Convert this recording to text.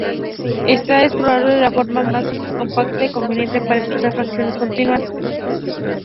Esta es probablemente la forma más compacta y conveniente para expresar fracciones continuas.